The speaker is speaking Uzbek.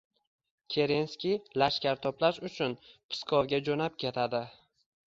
Kerenskiy lashkar to‘plash uchun Pskovga jo‘nab ketadi.